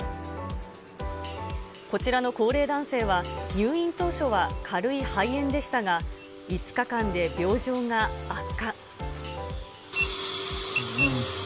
こちらの高齢男性は入院当初は軽い肺炎でしたが、５日間で病状が悪化。